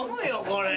これ。